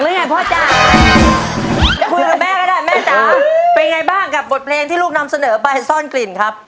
พ่อจ้ะจะคุยกับแม่ก็ได้แม่จ๋าเป็นไงบ้างกับบทเพลงที่ลูกนำเสนอไปซ่อนกลิ่นครับ